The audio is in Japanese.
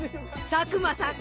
佐久間さん